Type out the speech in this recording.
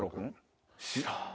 知らん。